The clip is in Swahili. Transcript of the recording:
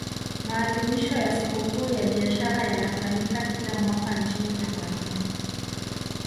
maadhimisho ya sikukuu ya biashara yanafanyika kila mwaka nchini tanzania